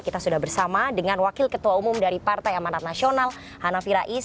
kita sudah bersama dengan wakil ketua umum dari partai amanat nasional hanafi rais